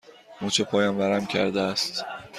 مچ پایم ورم کرده است.